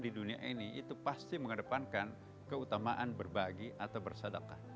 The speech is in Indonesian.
di dunia ini itu pasti mengedepankan keutamaan berbagi atau bersadakah